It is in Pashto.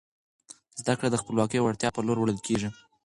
زده کړه د خپلواکۍ او وړتیا په لور وړل کیږي.